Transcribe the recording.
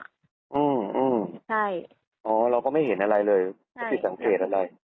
อืมใช่อ๋อเราก็ไม่เห็นอะไรเลยไม่ผิดสังเกตอะไร